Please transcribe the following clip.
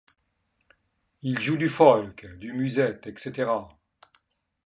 Il joue du folk, du musette, etc.